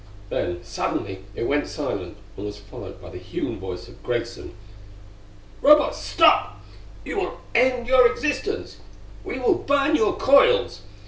Then, suddenly, it went silent, and was followed by the human voice of Greggson. "_Robots, stop! You will end your existence! We will burn your coils!